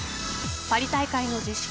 パリ大会の実施